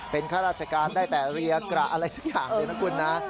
เป็นข้าราชการได้แต่เรียกระอะไรสักอย่างเลยนะคุณนะ